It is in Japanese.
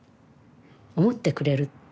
思ってくれる。